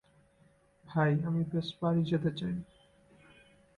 ভাই, আমি ব্যস বাড়ি যেতে চাই।